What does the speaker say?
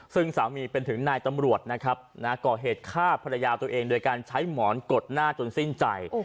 ซึ่งสามีเป็นถึงนายตำรวจนะครับก่อเหตุฆ่าภรรยาตัวเองโดยการใช้หมอนกดหน้าจนสิ้นใจ